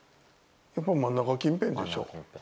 やっぱり真ん中近辺でしょ。